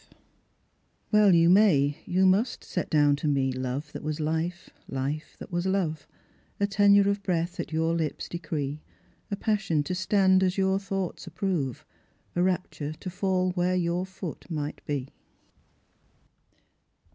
•* Well, you may, you must, set down to me Love that was life, life that was Icve ; A tenure of breath at your lips' decree, A passion to stand as your thoughts approve, A rapture to fall where your foot might be."